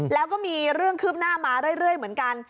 แล้วก็มีเรื่องคืบหน้ามาเรื่อยเหมือนกัน